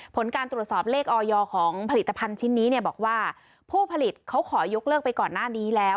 ผลการตรวจสอบเลขออยของผลิตภัณฑ์ชิ้นนี้เนี่ยบอกว่าผู้ผลิตเขาขอยกเลิกไปก่อนหน้านี้แล้ว